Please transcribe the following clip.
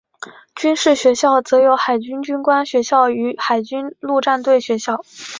军事学校则有海军军官学校与海军陆战队学校。